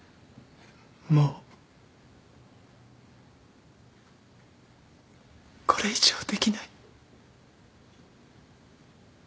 もうこれ以上できない。